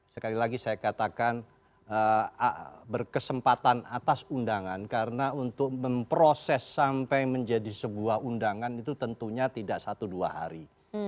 sekali lagi saya katakan berkesempatan atas undangan karena untuk memproses sampai menjadi sebuah undangan itu tentunya tidak satu dua hari